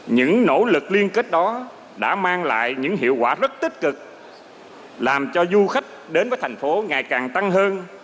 những nỗ lực liên kết đó đã mang lại những hiệu quả rất tích cực làm cho du khách đến với thành phố ngày càng tăng hơn